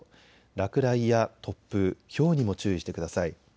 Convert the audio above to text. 落雷や突風、ひょうにも注意してください。